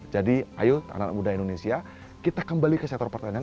jadi ayo anak muda indonesia kita kembali ke sektor pertanian